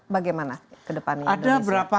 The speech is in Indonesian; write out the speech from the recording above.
bagaimana ke depannya ada berapa